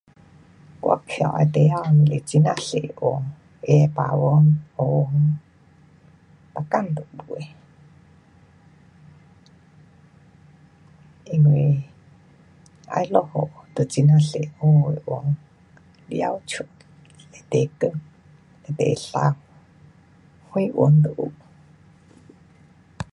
我站的地方是很呀多云，它白云，um 每天都有的，因为要落雨就很呀多黑的云，太阳出了，非常亮，非常美，什云都有。